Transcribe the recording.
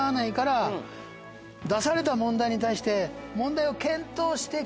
出された問題に対して。